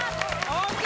ＯＫ！